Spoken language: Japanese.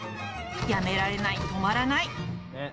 やめられない、止まらない。